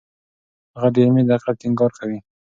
هغه د علمي دقت ټینګار کوي.